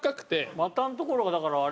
股のところがだからあれ